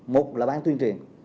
một là bang tuyên truyền